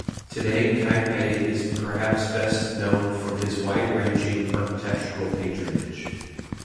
Today Qaitbay is perhaps best known for his wide-ranging architectural patronage.